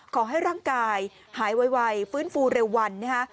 ขอให้ร่างกายหายไวฟื้นฟูเร็ววันนะฮะ